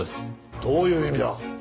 どういう意味だ？